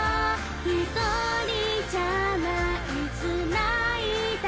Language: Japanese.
「ひとりじゃないつないだ」